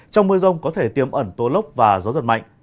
trong mưa rông có thể tiêm ẩn tô lốc và gió giật mạnh